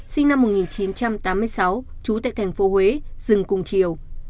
sinh năm một nghìn chín trăm tám mươi sáu trú tại thành phố huế dừng cùng chiều